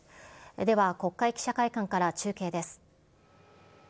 では、国会記者会館から中継です。